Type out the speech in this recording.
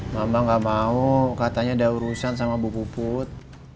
mama gak mau katanya ada urusan sama bu put